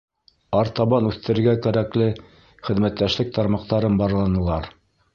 Артабан үҫтерергә кәрәкле хеҙмәттәшлек тармаҡтарын барланылар.